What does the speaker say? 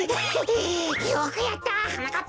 よくやったはなかっぱ！